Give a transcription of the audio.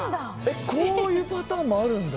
こういうパターンもあるんだ。